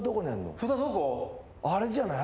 あれじゃない？